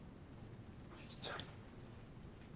雪ちゃん。